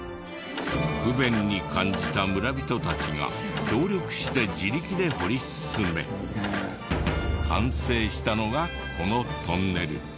不便に感じた村人たちが協力して自力で掘り進め。完成したのがこのトンネル。